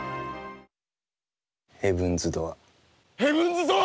ヘブンズ・ドアー。